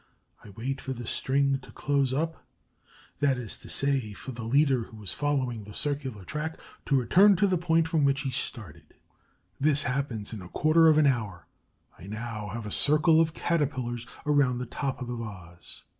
I wait for the string to close up, that is to say, for the leader, who is following the circular track, to return to the point from which he started. This happens in a quarter of an hour. I now have a circle of Caterpillars around the top of the vase.